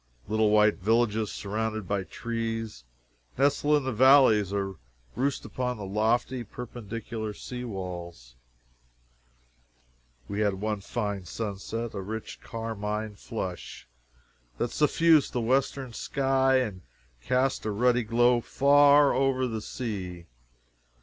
Little white villages surrounded by trees, nestle in the valleys or roost upon the lofty perpendicular sea walls. We had one fine sunset a rich carmine flush that suffused the western sky and cast a ruddy glow far over the sea.